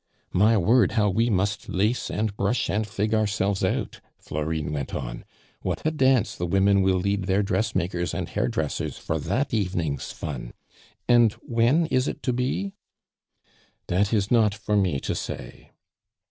"My word, how we must lace and brush and fig ourselves out," Florine went on. "What a dance the women will lead their dressmakers and hairdressers for that evening's fun! And when is it to be?" "Dat is not for me to say."